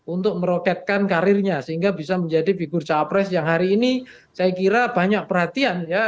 untuk meroketkan karirnya sehingga bisa menjadi figur cawapres yang hari ini saya kira banyak perhatian ya